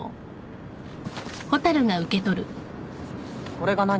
これが何？